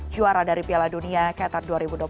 juara dari piala dunia qatar dua ribu dua puluh